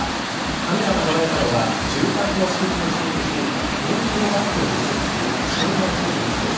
カメラが捉えたのは住宅の敷地に侵入し人気のバイクを物色する不審な人物です。